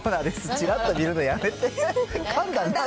ちらっと見るのやめて。